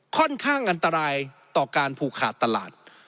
ค่อนข้างอันตรายต่อการผูกขาดตลาด